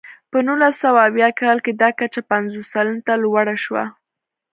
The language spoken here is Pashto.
په نولس سوه اویا کال کې دا کچه پنځوس سلنې ته لوړه شوه.